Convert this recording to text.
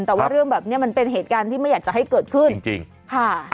แต่ว่าเรื่องแบบนี้มันเป็นเหตุการณ์ที่ไม่อยากจะให้เกิดขึ้นจริงค่ะ